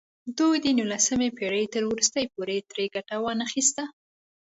دوی د نولسمې پېړۍ تر وروستیو پورې ترې ګټه وانخیسته.